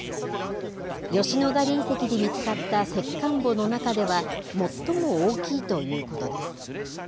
吉野ヶ里遺跡で見つかった石棺墓の中では、最も大きいということです。